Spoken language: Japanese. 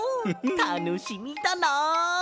たのしみだなあ！